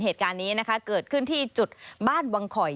เหตุการณ์นี้นะคะเกิดขึ้นที่จุดบ้านวังขอย